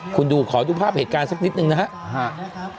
คุณดูขอดูภาพเหตุการณ์สักนิดนึงนะครับ